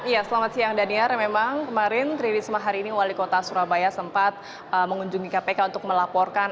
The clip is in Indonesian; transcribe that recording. ya selamat siang daniar memang kemarin tri risma hari ini wali kota surabaya sempat mengunjungi kpk untuk melaporkan